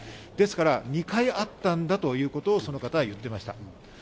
ですから２回あったんだということをその方は言っていました。